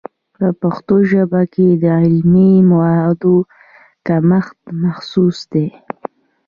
په پښتو ژبه کې د علمي موادو کمښت محسوس دی.